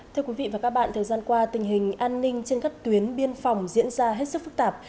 thưa quý vị và các bạn thời gian qua tình hình an ninh trên các tuyến biên phòng diễn ra hết sức phức tạp